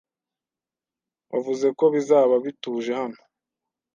Wavuze ko bizaba bituje hano.